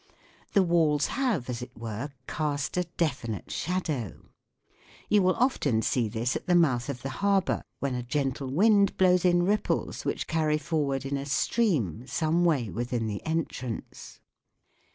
The walls have, as it were, cast a definite shadow. You will often see this at the 22 THE WORLD OF SOUND mouth of the harbour when a gentle wind blows in ripples which carry forward in a stream some way within the entrance.